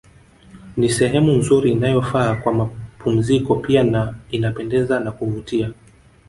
Ni sehemu nzuri inayofaa kwa mapumziko pia na inapendeza na kuvutia